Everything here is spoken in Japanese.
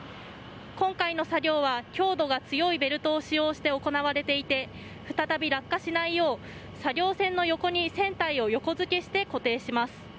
今回の作業は強度が強いベルトを使用して行われていて再び落下しないよう作業船の横に船体を横付けして固定します。